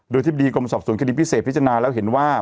โดยธิบดีกรมสอบสวนคดีพิเศษพิจารณาแล้วเห็นว่า